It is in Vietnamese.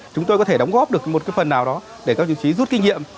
chúng tôi có thể đóng góp được một cái phần nào đó để các đồng chí rút kinh nghiệm